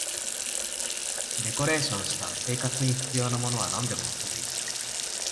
デコレーションした、生活に必要なものはなんでも乗せていった